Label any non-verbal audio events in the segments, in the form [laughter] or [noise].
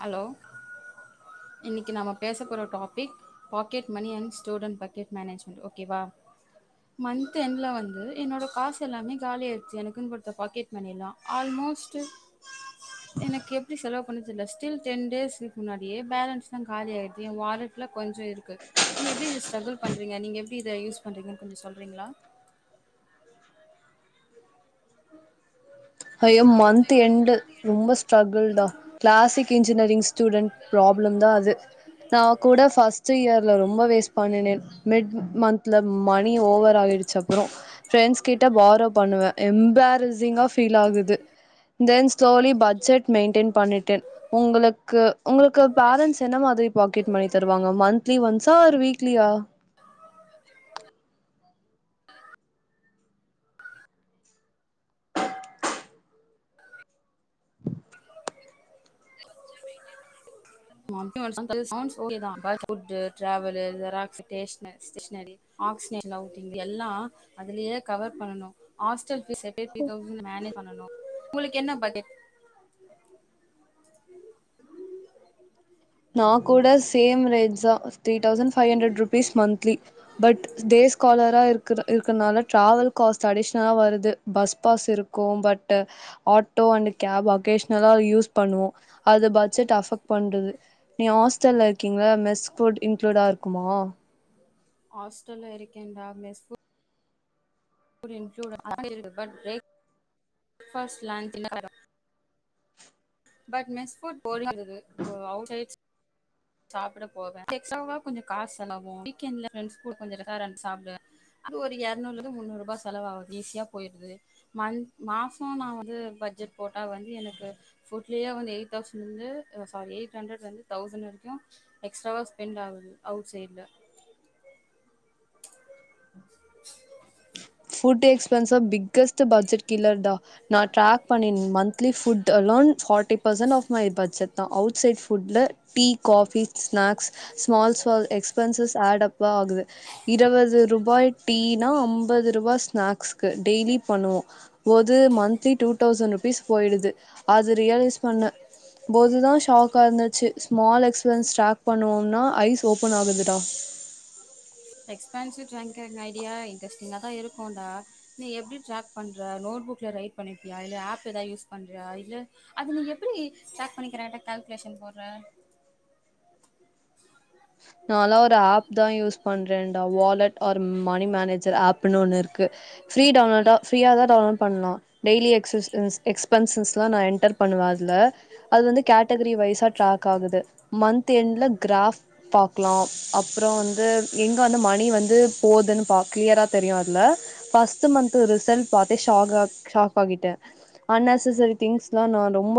Hello இன்னகி நாம பேச போற topic pocket money and student pocket management ஓகேவா மந்த் எண்ட்ல வந்து என்னோட காசு எல்லாமே காலி யச்சு எனக்குன்னு குடுத்த பாக்கெட் மணியல்லா ஆல்மோஸ்ட் எனக்கு எப்டி செலவுப் [unintelligible] டில் டென் டேஸ்க்கு முன்னாடியே பேலன்ஸ்தா காலியாய்டுது ஏ வாலட்லா கொஞ்ச இருக்கு நீ எப்டி இ ஸ்ட்ரகுள் பண்றீங்க நீங்க எப்படி இத யூஸ் பண்றீங்கன் கொஞ்ச சொல்றீங்களா ஐயோ மந்த் எண்டு் ரொம்ப ஸ்ட்ரகுல் தா கிளாசிக் இன்ஜினியரிங் ஸ்டூடெட் ப்ராப்ளம்தா அது நா கூட பர்ஸ்ட் ச்சை இயர்ல ரொம்ப வேஸ்ட் பண்ணினேன் மெட் மந்த் ட்ல மணி ஓவர் ஆயிடுச்ச அப்புறோ பிரண்ஸ் கிட்ட பாரோ பண்ணுவே எம்பாரசிங்க் ஆ பீல்லாகுது தென் சோலி பட்ஜெட் மெயின்டென் பண்ணிட்டேன் உங்களுக்கு உங்ளுக்கு பேரன்ஸ் என்ன மாதிரி பாக்கெட் மணி தருவாங்க மன்திலி ஒன்ஸ்சா ஆர் வீக்லியா ம் [unintelligible] புட்டு ட்ராவல்லு ஷெராஸ்சு ஸ்டேஸ் ஸ்டேசனரி எல்லாத்தையு எல்லா அதுலயே கவர் பண்ணனு ஹாஸ்டல் பீஸ் எயிட்டி தொஸண்ட்மேனேஜ் பண்ணனு உங்களுக்கு உங்களுக்கு என்ன பதில் நா கூட சேம் ரேஜ் தா three thousand five hundred rupees monthly but டேஸ்காலரா இருக்கற இருக்றனால டிராவல் காஸ்ட் அடிஷ் தா வருது பஸ் பாஸ் இருக்கு பட் ஆட்டோ அண்ட் கேப் அக்கேஷ்னலா யூஸ் பண்ணுவோ அது பட்ஜெட் அபெக்ட் பண்றது நீ ஹாஸ்டல்ல இருக்கீங்களா மெஸ் ஃபுட் இன்க்ளூடா இருக்குமா ஹாஸ்டல்ல இருக்கேன்தா mess put [unintelligible] but mess food போறீங்க வு ஒ அவுடேஜ் சாப்ட போவே எக்ஸாவா கொஞ்ச காஸ் செலவாவு வீக்கேன்ல ஃபிரன்ஸ் கூட கொஞ்ச ரெசாரென்ட் சாப்டுவே அது ஒரு இரநூறுல இருந்து முன்னூறுபா செலவாவுது ஈஸியா போயிருது மந்த் மாசோ நா வந்து பட்ஜெட் போட்டா வந்து எனக்கு ஃபுட்லியே வந்து எயிட் தௌசண்ட்லருந்து சாரி எயிட் ஹண்டர்லருந்து தௌசண்ட் வரிக் எக்ஸ்ட்ராவா ஸ்பெண்ட் ஆகுது அவுட் சைட்ல [inaudible] ஃபுட் எக்ஸ்பென்ஸா பிக்கஸ்ட் பட்ஜெட் கில்லர் தா நா டிராக் பண்ணி monthly food allowance forty percent of my budget தா அவுட் சைட் ஃபுட்ல tea coffee snacks smalls small expenses add up ஆகுது இருவது ரூபாய் டீனா அம்பது டிவாஸ் ஸ்னாக்ஸ்கு டெய்லி பண்ணுவ பொது மந்லி டுதவுசன் ரூபிஸ் போயிருது அது ரியல்ஸ் பண்ண போதுதா சாக்காந்துச்சு ஸ்மால் எக்ஸ்பில ஷார்பண்ணுவோனா ஓப்பன் ஆகுது டா எக்ஸ்பன்சிவ் ட்ராங்கன் ஐடியா இன்ட்ரெஸ்டிங்னக இருக்கும்தா நீ எப்டி ட்ராக் பண்ணுற நோட் புக்லா ரைட் பண்ணிப்பியா இல்ல ஆப் எதா யூஸ் பண்ணுறியா இல்ல அத நீ எப்டி ட்ராக் பண்ணிக்கிறநு கால்குலேஷன் போடுற நாலா ஒரு ஆப் தா யூஸ் பண்றேன்டா wallet or money manager app ப்ணு ஒண்ணு இருக்கு ப்ரீ டன்லோடோ ப்ரீயாதா டவுன்லோட் பண்னு டெய்லி சீஸ் எக்ஸ்பென்ஸ்சஸ்லா நா என்டர் பண்ணுவ அதுலா அது வந்து கேட்டகிரி வைஸா டிராக் ஆகுது மந்த் எண்டுல கிராப் பாக்லா அப்றோ வந்து எங்க வந்து மணி வந்து போதுன் பாப் கிளியரா தெரியு அதுல ஃபஸ்டு மந்த் ரிசல்ட் பத்தே ஷாகாக் ஷாக் ஆகிட்டே அன்நெசசரி திங்ஸ் நா ரொம்ப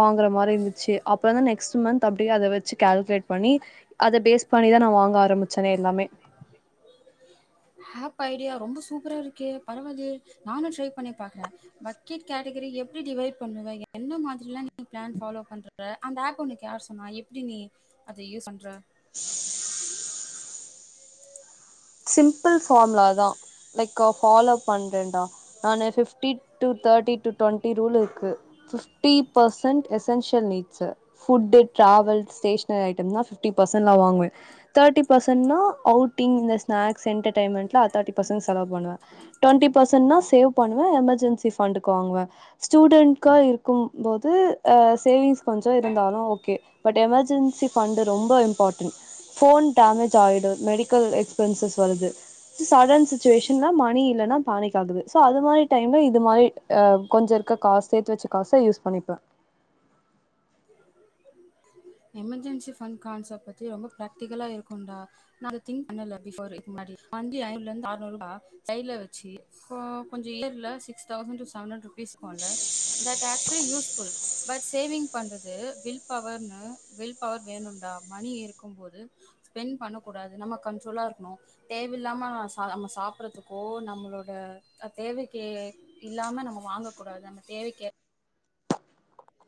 வாங்குற மாரி இருந்துச்சு அப்புறோ தா நெக்ஸ்ட் மந்த் அப்டியே அத வச்சு கேல்க்லேட் பன்னி அத பேஸ் பண்ணிதா நா வாங்க ஆரம்பிச்சேனே எல்லாமே ப் ஐடியா ரொம்ப சூப்பரா இருக்கு பரவாலே நானு ட்ரை பண்ணிபாக்குறா பக்கெட் கேட்டகரி எப்டி டிவைட் பண்ணுவ என்ன மாதிரிலா ம் பிளான் பாலோ பண்ற த அந்த ஆக் உணுக்கு யார் சொன்னா எப்படி நீ அதை யூஸ் பண்ற [inaudible] சிம்பிள் ஃபார்ம்லா தா லைக்க பாலோ பண்றேன்டா நானு ஃபிப்டி டூ தாட்டி டு டொண்டி ரூல் இருக்கு டி percent essential needs food travel stationery ஐட்டமெல்லாம் ஃபிஃப்டி பர்சென்ட் தா வாங்குவே தேர்ட்டி பர்சென்ட்னா அவுட்டிங் இந்த ஸ்நாக்ஸ் என்டர்டைன் மென்ட்னா தேர்ட்டி பர்சென்ட் செலவு பண்ணுவே டுவெண்ட்டி பர்சென்ட்னா சேவ் பண்ணுவே எமர்ஜென்சி பண்டுக்கு வாங்குவே ஸ்டூடெட்கா இருக்கும் போது போது அஹ சேவிங்ஸ் கொஞ்சம் இருந்தாலும் ஓகே பட் எமெர்ஜென்சி ஃபண்டு ரொம்ப இம்பார்டண்ட் ஃபோன் டேமேஜ் ஆகிடும் மெடிக்கல் எக் பிரின்சஸ் வருது சடன் சிச்சுவேஷன்ல மணி இல்லன்னா பனிக் ஆகுது சோ அது மாதிரி டைம்ல இது மாதிரி க்ஹ் கொஞ்ச இருக்க காச சேர்த்து வச்சு காச யூஸ் பண்ணிக்கலாம் எமர்ஜென்சி பண்ட் கான்ச் செஃப்டு பத்தி ரொம்ப பிராக்டிகலா இருக்கும்டா நா அத திங்க் பண்ணல பிஃப்போர்ல இதுக்கு முன்னாடி ஒன்லி ஐநூறுல இருந்து ஆறுநூறுரூவா சைடுல வச்சு கொஞ்சம் இயர்ல six thousand two seven hundred discount that actually useful but saving பண்றது வில் பவர்ன்னு வில் பவர் வேணும்டா மணி இருக்கும் போது ஸ்பெண்ட் பண்ண கூடாது நம்ம கண்ட்ரோலா இருக்கணும் தேவ இல்லாம நம்ம சாப்பறதுக்கோ நம்மளோட தேவைக்கு இல்லாம நம்ம வாங்கக்கூடாது நம்ம தேவைக்க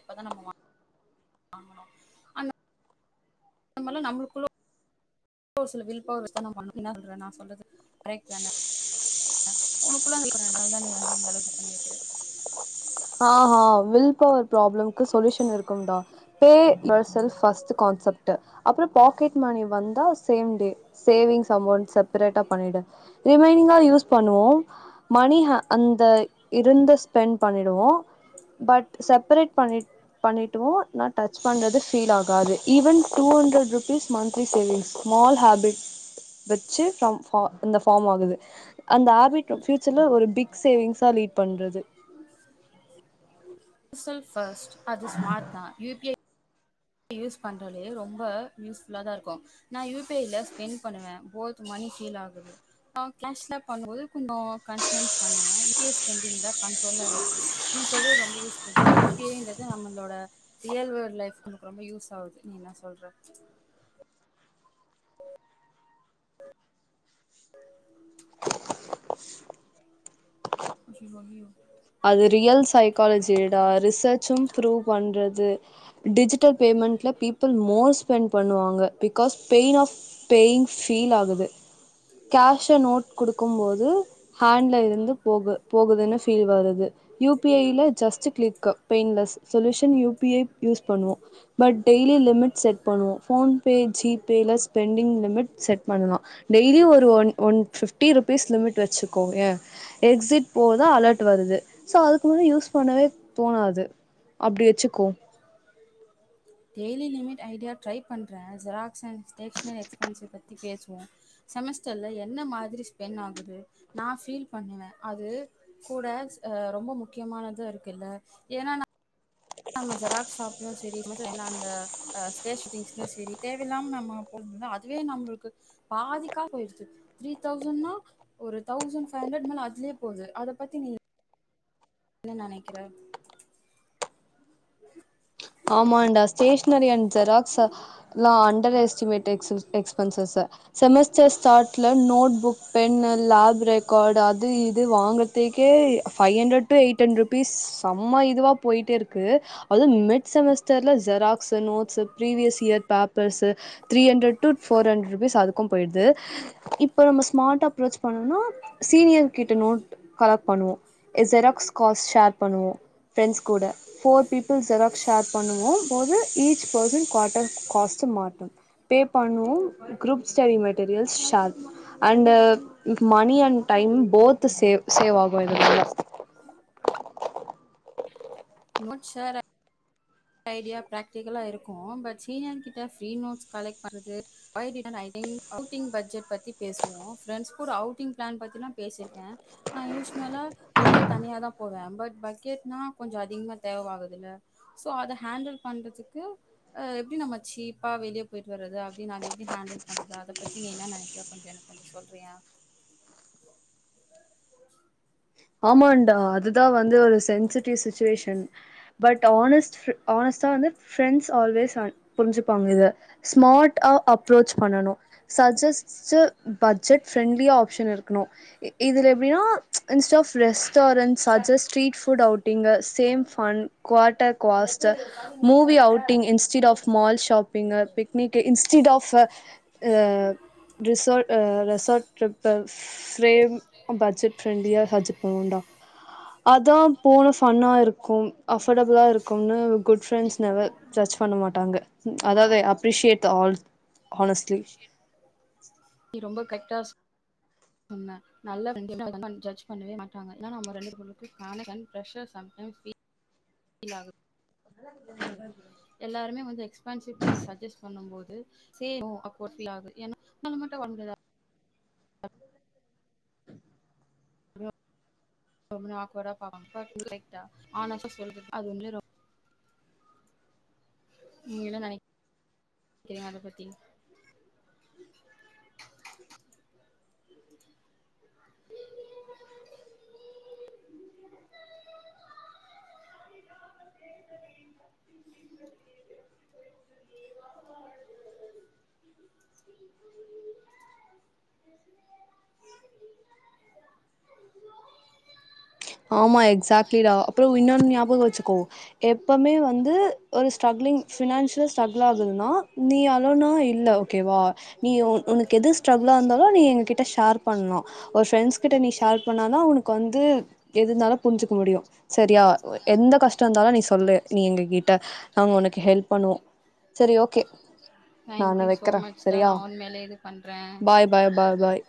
பதனம ஆ ஆனா நம்மல்லா நம்மளுக்குள்ள ஒரு சில வில் பவர் வித்தனம்பண்ணணும் என்ன சொல்றே நா சொல்றது கரெக்ட் தானே உனக்குள்ள அந்த அது தான் நீ வந்து இந்த அளவுக்கு பண்ணி வைக்கிற ஆ ஹா வில் பவர் ப்ராப்ளம்க்கு சொல்யூஷன் இருக்கும்டா pay your self first concept அப்புறோ பாக்கெட் மணி வந்தா சேம் டே சேவிங்ஸ் அமௌண்ட் செப்பரேட்டா பண்ணிடு ரிமைனிங்கா யூஸ் பண்ணுவோம் மணி அந்த இருந்த ஸ்பெண்ட் டுவோம் பட் செப்ரேட்பண்ணிட்டு ந டச் பண்றதுல ஃப்பில் ஆகாது even two hundred rupees monthly savings small habit வச்சு ரம் ஃபா அந்த ஃபார்ம் ஆகுது அந்த ஹபிட் பியூச்சர்ல ஒரு பிக் சேவிங்ஸா லீட் பண்றது [inaudible] செல்ஃப் ஃபர்ஸ்ட் அது ஸ்மார்ட் தா யூ பி ஐ யூஸ் பண்றோலையா ரொம்ப யூஸ்ஃபுல்லா தா இருக்கோ நா யு பி ஐ ல ஸ்பெண்ட் பண்ணுவ போத் மணி ஃபீல் ஆகுது நா கேஷ்லப் பண்ணும்போது கொஞ்சம் கன்ஸ்வென்ஸ் பண்ணுவேன் யு பி ஐ ஸ்பெண்டிங்ல கன்ரோல ஆயிரு நீங்க சொல்றது ரொம்ப யூஸ்ஃபுல் தான் யு பி ஐன்றது நம்மளோட ரியல்வே லைஃப் ரொம்ப யூஸ் ஆகுது நீ என்ன சொல்ற [unintelligible] அது ரியல் சைக்காலஜிடா ரிசர்ச்சும் திருப் பண்றது டிஜிட்டல் பேமெண்ட்ல பீப்பிள் மோர் ஸ்பெண்ட் பண்ணுவாங்க because pain ah paying feel ஆகுது கேஷ் ஆ நோட் கொடுக்கும் போது ஹேண்ட்ல இருந்து போக போகுதுன்னு ஃபீல் வரு து U P I just click painless solution U P I use பண்ணுவோ பட் டெய்லி லிமிட் செட் பண்ணுவோ போன் பே ஜிபே ல ஸ்பெண்டிங் லிட்மிட் செட் பண்ணலா டெய்லி ஒரு one one fifty rupees limit வச்சுக்கோ ஏ எக்ஸிட் போது அலர்ட் வருது சோ அதுக்கு முன்னாடி யூஸ் பண்ணவே தோணாது அப்படி வச்சுக்கோ டெய்லி லிமிட் ஐடியா ட்ரை பண்ற ஜெராக்ஸ் அன் ஸ்டேஷனரி எக்ஸ்பென்ஸ் பத்தி பேசுவோம் செமஸ்டர்ல என்ன மாதிரி ஸ்பென் ஆகுது நா ஃபீல் பண்ணுவேன் அது கூட ரொம்ப முக்கியமானத இருக்கு இல்ல ஏன்னா நான் நம்ம ஜெராக் ஷாப்லயும் சேரி செமஸ்டர் டைம்ல அந்த ஸ்டேஷனரி திங்ஸ்லயும் சேரி தேவையில்லாம நம்ம போ அதுவே நம்மளுக்கு பாதிக்கா போயிருச்சு த்ரீ தௌசண்ட்னா ஒரு தௌசண்ட் பைவ் ஹண்ட்ரட் மேல அதுலயே போகுது அத பத்தி நீ என்ன நினைக்கிறே [inaudible] ஆமாண்டா ஸ்டேஷனரி அண்ட் ஜெராக்ஸ் எாம் அண்டர் எஸ்டிமேட் எ்பன் செமஸ்டர் ஸ்டாரல நோட் புக் பென்ன லேப் ரெக்கார்டு அது இது வாங்குறதக்கேவ் ஹண்ட்ரட் எயிட் ஹண்டர் ருபீஸ் செம்ம இதுவா போயிட்டே இருக்கு அதுவும் மெட் செமஸ்டர்ல ஜெர்ஸ் notes previous year papers three hundred to four hundred rupees அதுக்கும் போயிடுது இப்ப நம்ம ஸ்மார்ட் அப்ரோச் பண்ணும்னா சீனியர் கிட்ட நோட் கலெக்ட் பண்ணுவோம் ஜெராக்ஸ் காஸ்ட் ஷேர் பண்ணுவோம் ப்ரெண்ட்ஸ் கூட போர் பீபிள் ஜெராக்ஸ் ஷேர் பண்ணுவோ போது ஈச் பர்சன் குடர் காஸ் மாட்டும் பே பண்ணுவோ group study materials and money and time both save ஆகும் இது நொட சேர் அ ஐடியா பிராக்டிக்கலா இருக்கும் பட் சீனியர் கிட்ட ஃரீ நோட்ஸ் கலெக்ட் பண்றது [unintelligible] அவுட்டிங் பட்ஜெட் பத்தி பேசுவோ ஃபிரெண்ட்ஸ் கூட அவுட்டிங் பிளான் பத்தில்லா பேசிருக்கேன் நான் யூஸ்வல்லா வெளியே தனியா தான் போவேன் பட் பக்கெட்னா கொஞ்ச அதிகமா தேவ ஆகுதுல்ல சோ அதை ஹேண்டில் பண்றதுக்கு ஆ எப்படி நம்ம சீப்பா வெளியே போயிட்டு வறது அப்படின்னு அதை எப்படி ஹேண்டில் பண்றது அத பத்தி நீ என்ன நினைக்கிற கொஞ்சம் எனக்கு கொஞ்சம் சொல்றிய ஆமாண்டா அதுதான் வந்து ஒரு சென்சிட்டுவ்‌ சிச்சுவேஷன் பட் ஹானஸ்ட் ஹானஸ்ட்டா வந்து பிரண்ட்ஸ் ஆல்வேஸ் வந் புரிஞ்சுப்பாங்க இத ஸ்மார்ட் ஆ அப்ரோச் பண்ணனு சஜஸ்ட்டு பட்ஜெட் பிரரெண்ட்லியா ஆப்ஷன் இருக்கணும் இதுல எப்படின்னா inst app ரெஸ்டாரண்டட் suggest street food outing same fun quarter குாஸ்ட்ட movie outing instead of mall shopping பிக்னிக்கி instead of ரிசோ் ரெசார்ட் ட்ரிப்பு ஃப்ரேம் பட்ஜெட் ஃப்ரெண்ட்லியா ஹஜப் போடுடா அதான் போன பன்னா இருக் கும் அஃபர்டபுளா இருக்கும்னு குட் ரெண்ட்ஸ் நெவ ஜட்ஜ் பண்ண மாட்டாங்க அதாவது appreciate the all honestly close என்ன நல்ல ஃபிரெண்ட் எப்பவுமே ஜட்ஜ் பண்ணவே மாட்டாங்க, ஏன்ன நம்ம ரெண்டு [unintelligible] ஃப்ரெஷ்ர்ஸ் சம்டைம் ஃபீல் ஆகும். எல்லாருமே வந்து எக்ஸ்பேன்சிவ் பிளேஸ் சஜெஸ்ட் பண்ணும் போது இது சே நோ அப் ஒன் ஃபீல்லாது ஏன்னா நம்ம மட்டும் வாழமுடியாது நம்ல ஆக்வார்டா பாப்பாங்க பட் யூ லைக் தட் ஹான்ஸ்டா செல்வது அது உண்மையில ரொம் நீங்க என்ன நெனைக் கிறீங்க அத பத்தி [unintelligible] ஆமா எக்ஸாட்லிடா அப்புறம் இன்னொன் ஞாபகம் வச்சுக்கோ எப்பமே வந்து ஒரு ஸ்ட்ரங்லிங் ஃபினான்சியல் ஸ்ட்ரகுள் ஆகுதுன்னா நீ அளனூ இல்ல ஓகேவா நீ உன் உனக்கு எது ஸ்ட்ரகுளா இருந்தாலும் நீ எங்க கிட்ட ஷேர் பண்ணூம் ஒரு ஃப்ரெண்ட்ஸ் கிட்ட நீ ஷேர் பண்ணாதான் உனக்கு வந்து எது இருந்தாலும் புரிஞ்சிக்க முடியும் சரியா வே எந்த கஷ்டம் இருந்தாலும் நீ சொல்லு நீ எங்க கிட்ட நாங் உனக்கு ஹெல்ப் பண்ணுவோம் சரி ஓகே நானு தேங்க்யூ சோ வைக்கிறே மச் டா சரியா நா உண்மேலே இது பண்ற பாய் பாய் பாய் பாய்